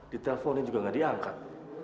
diteleponin juga gak diangkat